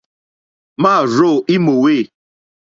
Mârzô í mòwê.